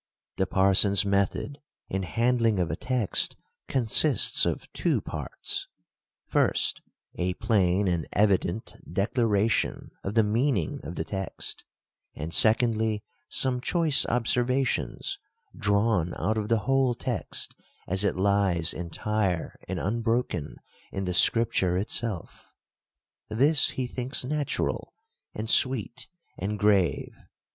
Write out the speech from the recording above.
The parson's method in handling of a text consists of two parts :— First, a plain and evident declaration of the meaning of the text ;— and Secondly, some choice obser vations, drawn out of the whole text, as it lies entire and unbroken in the scripture itself. This he thinks natural, and sweet, and grave.